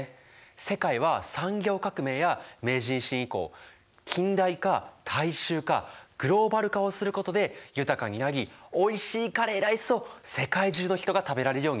世界は産業革命や明治維新以降「近代化」「大衆化」「グローバル化」をすることで豊かになりおいしいカレーライスを世界中の人が食べられるようになった。